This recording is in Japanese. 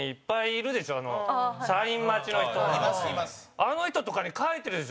あの人とかに書いてるでしょ？